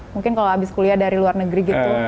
mungkin kalau habis kuliah dari luar negeri gitu